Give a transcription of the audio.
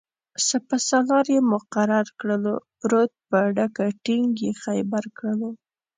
سپه سالار یې مقرر کړلو-پروت په ډکه ټینګ یې خیبر کړلو